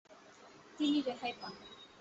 তিনি রেহাই পান।